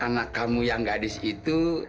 anak kamu yang gadis itu